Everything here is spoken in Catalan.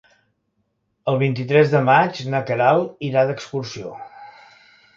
El vint-i-tres de maig na Queralt irà d'excursió.